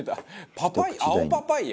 「パパイヤ？青パパイヤ？」